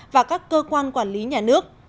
và các cơ quan quản lý nhà nước